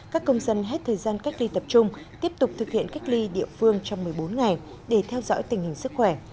các công dân hết thời gian cách ly tập trung tiếp tục thực hiện cách ly địa phương trong một mươi bốn ngày để theo dõi tình hình sức khỏe